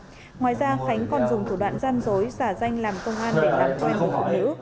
thật ra khánh còn dùng thủ đoạn gian dối giả danh làm công an để đặt tiền của phụ nữ